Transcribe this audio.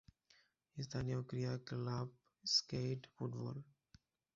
স্থানীয় ক্রীড়া ক্লাব স্কেইড ফুটবল।